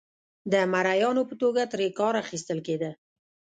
د مریانو په توګه ترې کار اخیستل کېده.